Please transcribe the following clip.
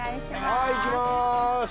はい行きます。